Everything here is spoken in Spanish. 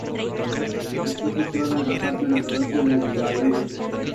Es autor de lienzos, grabados, collages, esculturas y fotografías.